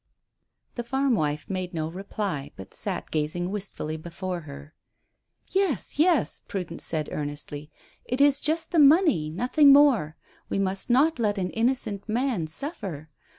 The farm wife made no reply, but sat gazing wistfully before her. "Yes, yes," Prudence said earnestly. "It is just the money nothing more. We must not let an innocent man suffer.